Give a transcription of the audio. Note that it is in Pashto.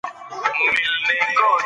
دی وایي چې زه هیڅکله نه ویده کېږم.